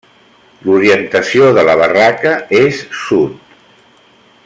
L'orientació de la barraca és Sud.